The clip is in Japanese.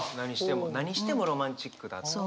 何してもロマンチックだ。